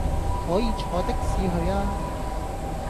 可以坐的士去吖